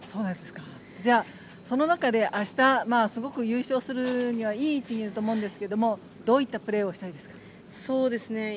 じゃあ、その中で明日、すごく優勝するにはいい位置にいると思うんですがどういったプレーをしたいですか？